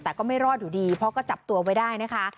แต่ก็ไม่รอดอยู่ดีเพราะก็จับตัวไว้ได้นะคะ